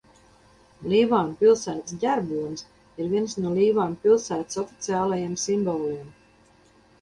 Līvānu pilsētas ģerbonis ir viens no Līvānu pilsētas oficiālajiem simboliem.